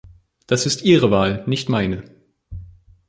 Das ist Ihre Wahl, nicht meine.